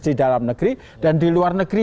di dalam negeri dan di luar negeri